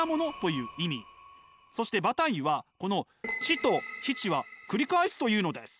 そしてバタイユはこの「知」と「非−知」はくり返すというのです。